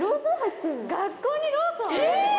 学校にローソンある！